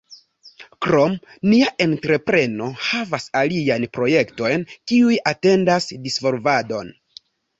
Krome, nia entrepreno havas aliajn projektojn kiuj atendas disvolvadon.